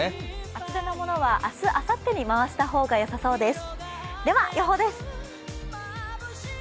厚手のものは、明日、あさってに回した方がよさそうです。